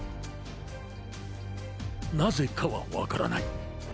なぜかはわからない。